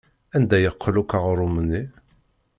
Anda yeqqel akk uɣrum-nni?